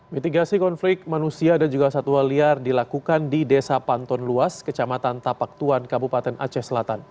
mitigasi konflik manusia dan juga satwa liar dilakukan di desa panton luas kecamatan tapaktuan kabupaten aceh selatan